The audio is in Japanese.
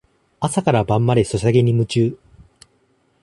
朝から晩までソシャゲに夢中